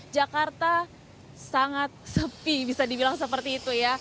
jakarta sangat sepi bisa dibilang seperti itu ya